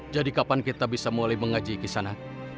jadi kapan kita bisa mulai mengaji ke sana